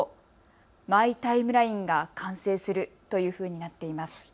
マイ・タイムラインが完成するというふうになっています。